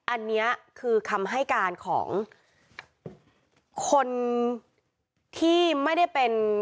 อันนี้คือคำให้การของคนที่ไม่ได้เป็น